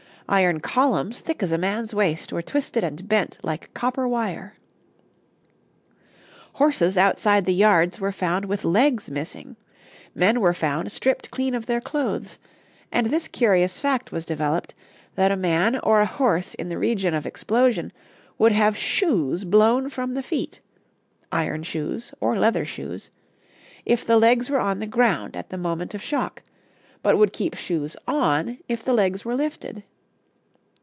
Iron columns thick as a man's waist were twisted and bent like copper wire. Horses outside the yards were found with legs missing; men were found stripped clean of their clothes, and this curious fact was developed, that a man or a horse in the region of explosion would have shoes blown from the feet (iron shoes or leather shoes) if the legs were on the ground at the moment of shock, but would keep shoes on if the legs were lifted.